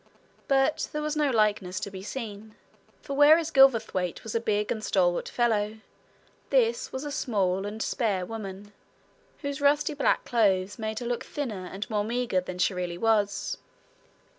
But there was no likeness to be seen, for whereas Gilverthwaite was a big and stalwart fellow, this was a small and spare woman, whose rusty black clothes made her look thinner and more meagre than she really was.